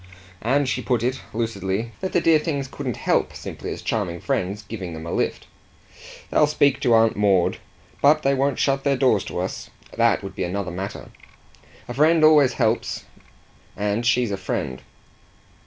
And she put it, lucidly, that the dear things couldn't HELP, simply as charming friends, giving them a lift. "They'll speak to Aunt Maud. but they won't shut their doors to us: that would be another matter. A friend always helps and she's a friend."